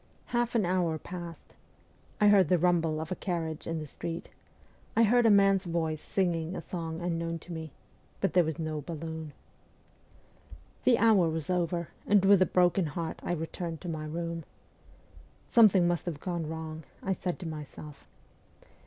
Half an hour passed. I heard the rumble of a carriage in the street ; I heard a man's voice singing a song unknown to me ; but there was no balloon. The hour was over, and with a broken heart I returned to my room. ' Something must have gone wrong,' I said to myself.